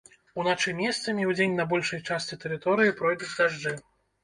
Уначы месцамі, удзень на большай частцы тэрыторыі пройдуць дажджы.